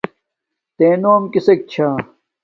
تݺ نݸم کِسݵک چھݳ؟